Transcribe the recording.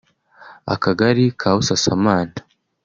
Akagari ka Busasamana